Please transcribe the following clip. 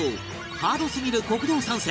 ハードすぎる酷道３選